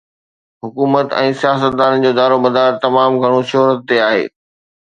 حڪومت ۽ سياستدانن جو دارومدار تمام گهڻو شهرت تي آهي.